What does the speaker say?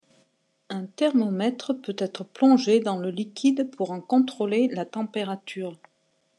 Un thermomètre peut être plongé dans le liquide pour en contrôler la température.